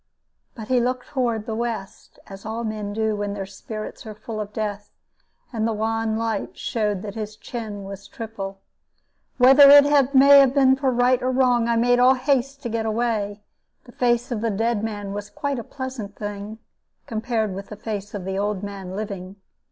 But he looked toward the west, as all men do when their spirits are full of death, and the wan light showed that his chin was triple. Whether it may have been right or wrong, I made all haste to get away. The face of the dead man was quite a pleasant thing, compared with the face of the old man living.